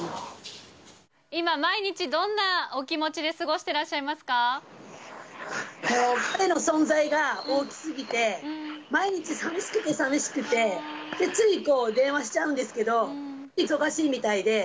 今、毎日、どんなお気持ちでもう彼の存在が大きすぎて、毎日さみしくてさみしくて、つい電話しちゃうんですけど、忙しいみたいで。